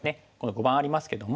碁盤ありますけども。